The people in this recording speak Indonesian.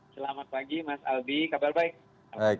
selamat pagi mas albi kabar baik